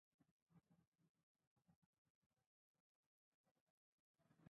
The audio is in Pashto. ایوب خان به خېمې دروي.